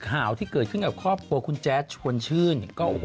สิ่งห่าวที่เกิดขึ้นกับครอบครัวคุณแจ๊ดชวนชื่น